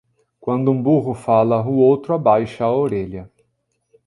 Quando um burro fala, o outro abaixa a orelha